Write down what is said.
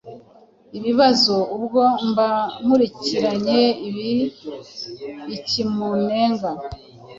ibibazo. Ubwo mba nkurikiranye iki munenga?